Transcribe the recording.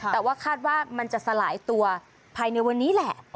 แต่ว่าคาดว่ามันจะสลายตัวภายในวันนี้แหละ